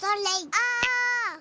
あ！